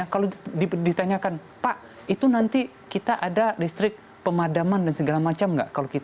kalau ditanyakan pak itu nanti kita ada listrik pemadaman dan segala macam nggak